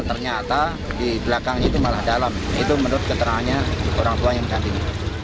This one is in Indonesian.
ternyata di belakang itu malah dalam itu menurut keterangannya orang tua yang ganding